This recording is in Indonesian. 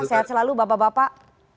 sehat selalu bapak bapak